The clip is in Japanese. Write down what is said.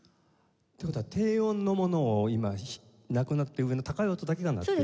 という事は低音のものを今なくなって上の高い音だけが鳴ってる？